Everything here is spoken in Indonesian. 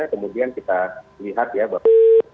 kemudian kita lihat ya bahwa